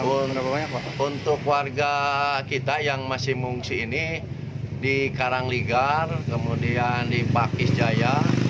untuk warga kita yang masih mengungsi ini di karangligar kemudian di pakis jaya